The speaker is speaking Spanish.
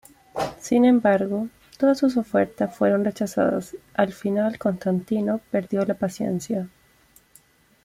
Sin embargo, todas sus ofertas fueron rechazadas y al final Constantino perdió la paciencia.